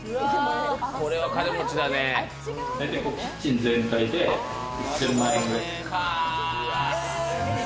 キッチン全体で１０００万円くらい。